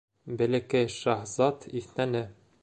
Бәләкәй шаһзат иҫнәне.